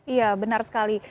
iya benar sekali